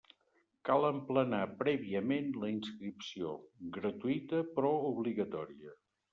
Cal emplenar prèviament la inscripció, gratuïta però obligatòria.